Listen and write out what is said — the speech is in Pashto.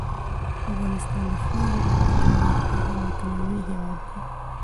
افغانستان د خاورې له پلوه یو خورا متنوع هېواد دی.